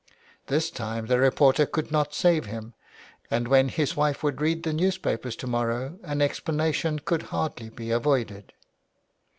This time the reporter could not save him, and when his wife would read the newspaper to morrow an explanation could hardly be avoided.